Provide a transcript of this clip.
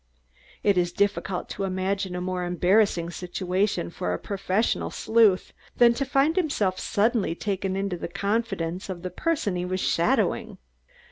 It is difficult to imagine a more embarrassing situation for the professional sleuth than to find himself suddenly taken into the confidence of the person he is shadowing.